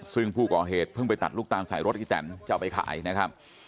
ซึ่งผู้ก่อเหตุเพิ่งไปตัดลูกตาลใส่รถอีแตนจะเอาไปขายนะครับ